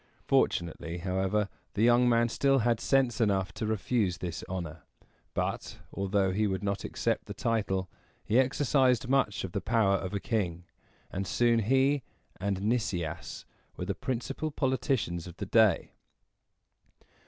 Fortunately, however, the young man still had sense enough to refuse this honor; but, although he would not accept the title, he exercised much of the power of a king, and soon he and Nicias were the principal politicians of the day.